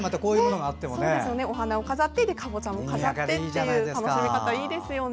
お花を飾ってかぼちゃも飾ってという楽しみ方もいいですよね。